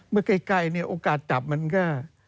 เมื่อไกลเนี่ยโอกาสจับมันก็